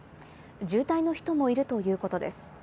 重体の人もいるということです。